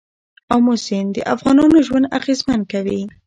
آمو سیند د افغانانو ژوند اغېزمن کوي.